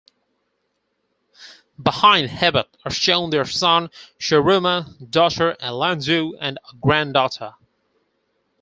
Behind Hebat are shown their son Sharruma, daughter Alanzu and a granddaughter.